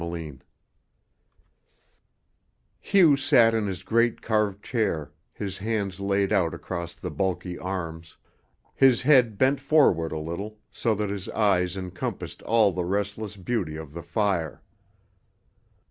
CHAPTER XIV Hugh sat in his great carved chair, his hands laid out across the bulky arms, his head bent forward a little so that his eyes encompassed all the restless beauty of the fire.